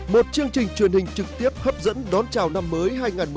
một chương trình truyền hình trực tiếp hấp dẫn đón chào năm mới hai nghìn một mươi chín